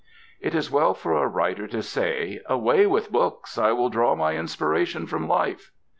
It is well for a writer to say: "Away with books! I will draw my inspiration from life!"